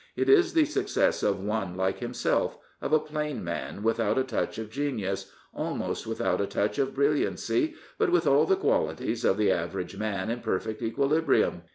It is the success of one like himself — of a plain man without a touch of genius, almost without a touch of brilliancy, but with all the qualities of the average man in perfect equilibrium.